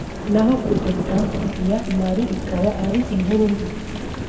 naho kudeta ya Mali ikaba ari inkuru mbi